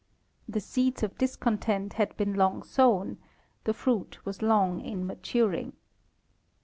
The seeds of discontent had been long sown—the fruit was long in maturing.